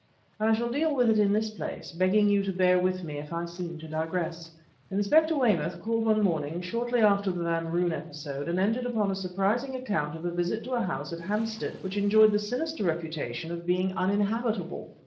I shall deal with it in this place, begging you to bear with me if I seem to digress. Inspector Weymouth called one morning, shortly after the Van Roon episode, and entered upon a surprising account of a visit to a house at Hampstead which enjoyed the sinister reputation of being uninhabitable.